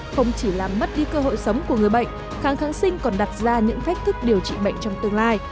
không chỉ làm mất đi cơ hội sống của người bệnh kháng kháng sinh còn đặt ra những phách thức điều trị bệnh trong tương lai